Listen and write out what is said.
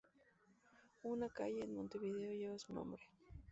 Una calle en Montevideo lleva su nombre.